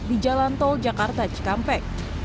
di jalan tol jakarta cikampek